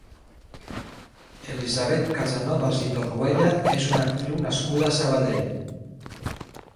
Elisabet Casanovas i Torruella és una actriu nascuda a Sabadell.